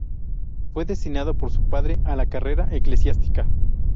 Fue destinado por su padre a la carrera eclesiástica.